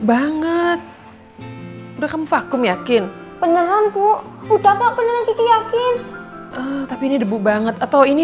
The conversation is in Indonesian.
banget udah kamu vakum yakin beneran bu udah pak beneran kita yakin tapi ini debu banget atau ini